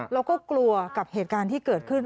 เราก็กลัวกับเหตุการณ์ที่เกิดขึ้น